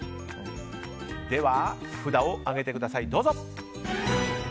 札を上げてください、どうぞ。